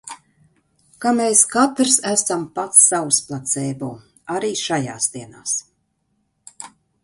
Ka mēs katrs esam pats savs placebo – arī šajās dienās!